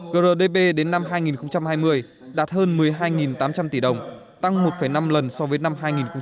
grdp đến năm hai nghìn hai mươi đạt hơn một mươi hai tám trăm linh tỷ đồng tăng một năm lần so với năm hai nghìn một mươi bảy